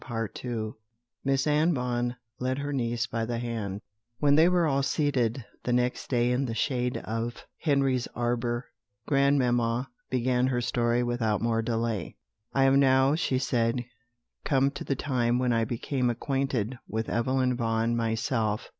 Part II. [Illustration: Miss Anne Vaughan led her niece by the hand] When they were all seated, the next day, in the shade of Henry's arbour, grandmamma began her story without more delay. "I am now," she said, "come to the time when I became acquainted with Evelyn Vaughan myself."